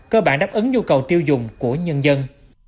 cơ bản đáp ứng nhu cầu tiêu dùng của nhân dân